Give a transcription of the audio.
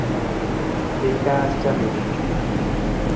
I kaar camii.